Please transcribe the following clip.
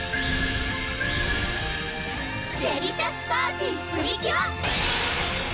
デリシャスパーティプリキュア！